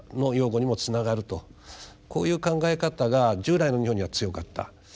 こういう考え方が従来の日本には強かった。